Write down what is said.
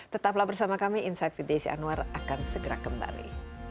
tetaplah bersama kami insight with desi anwar akan segera kembali